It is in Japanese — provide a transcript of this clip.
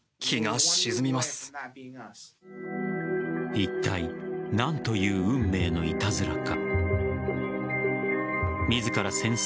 いったい何という運命のいたずらか。